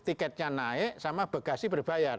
tiketnya naik sama bagasi berbayar